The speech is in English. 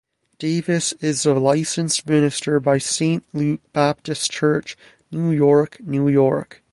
Davis is a licensed minister by Saint Luke Baptist Church, New York, New York.